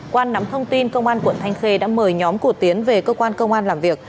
qua nắm thông tin công an quận thanh khê đã mời nhóm của tiến về cơ quan công an làm việc